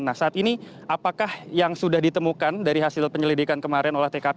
nah saat ini apakah yang sudah ditemukan dari hasil penyelidikan kemarin olah tkp